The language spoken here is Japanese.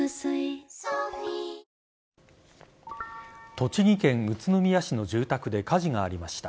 栃木県宇都宮市の住宅で火事がありました。